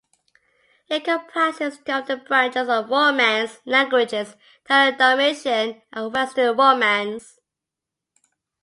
It comprises two of the branches of Romance languages: Italo-Dalmatian and Western Romance.